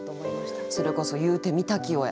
それこそ「言ふてみたきを」や。